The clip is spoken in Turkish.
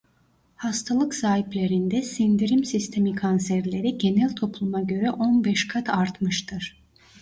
Hastalık sahiplerinde sindirim sistemi kanserleri genel topluma göre on beş kat artmıştır.